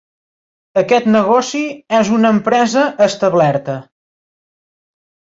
Aquest negoci és una empresa establerta.